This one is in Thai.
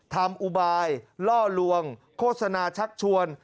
อุบายล่อลวงโฆษณาชักชวน